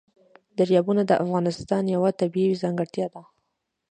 دریابونه د افغانستان یوه طبیعي ځانګړتیا ده.